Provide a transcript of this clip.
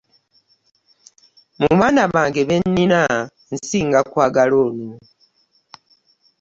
Mu baana bange be nnina nsinga kwagala ono.